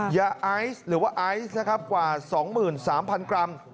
ยาไอซ์หรือว่าไอซ์นะครับกว่า๒๓๐๐กรัม